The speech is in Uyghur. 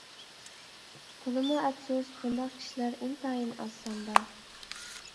تولىمۇ ئەپسۇس، بۇنداق كىشىلەر ئىنتايىن ئاز ساندا.